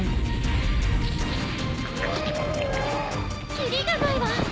切りがないわ。